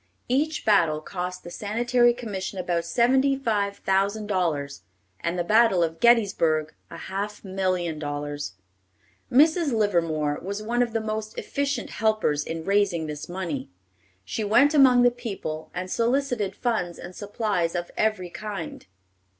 Each battle cost the Sanitary Commission about seventy five thousand dollars, and the battle of Gettysburg, a half million dollars. Mrs. Livermore was one of the most efficient helpers in raising this money. She went among the people, and solicited funds and supplies of every kind.